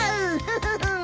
フフフン。